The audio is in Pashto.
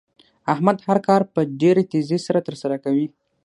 احمد هر کار په ډېرې تېزۍ سره تر سره کوي.